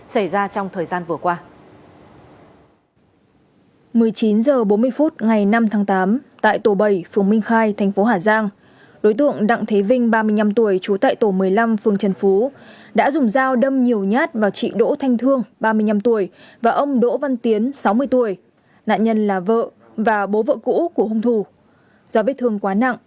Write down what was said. xảy ra trong thời gian qua